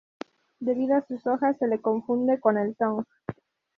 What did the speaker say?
Debido a sus hojas, se la confunde con el tong.